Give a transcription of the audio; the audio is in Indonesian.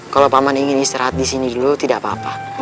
kalau paman ingin istirahat disini dulu tidak apa apa